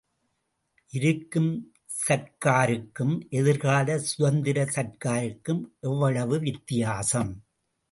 இருக்கும் சர்க்காருக்கும் எதிர்காலச் சுதந்திர சர்க்காருக்கும் எவ்வளவு வித்தியாசம்!